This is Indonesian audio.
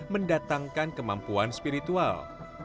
mendatangkan kemampuan spiritual